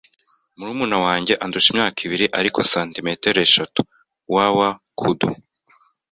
Murumuna wanjye andusha imyaka ibiri, ariko santimetero eshatu. (wwkudu)